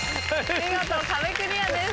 見事壁クリアです。